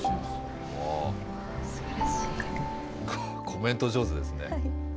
コメント上手ですね。